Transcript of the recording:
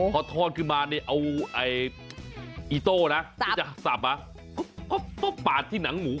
พอทอดขึ้นมาเอาอีโต้นะสับมาปาดที่หนังหมู